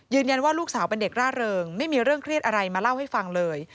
ว่าลูกสาวเป็นเด็กร่าเริงไม่มีเรื่องเครียดอะไรมาเล่าให้ฟังเลย